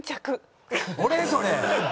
俺それ！